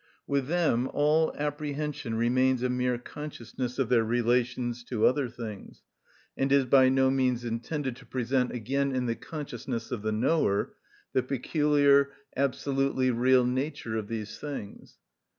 With them all apprehension remains a mere consciousness of their relations to other things, and is by no means intended to present again in the consciousness of the knower the peculiar, absolutely real nature of these things.